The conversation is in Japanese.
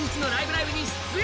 ライブ！」に出演。